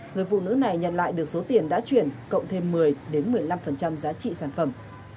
người phụ nữ này nhận lại được số tiền đã chuyển cộng thêm một mươi một mươi năm giá trị sản phẩm